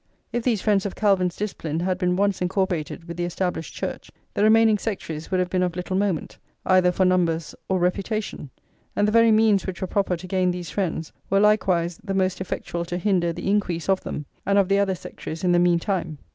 If these friends of Calvin's discipline had been once incorporated with the Established Church, the remaining sectaries would have been of little moment, either for numbers or [xli] reputation; and the very means which were proper to gain these friends, were likewise the most effectual to hinder the increase of them, and of the other sectaries in the meantime."